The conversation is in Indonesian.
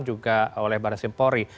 juga oleh barat simpori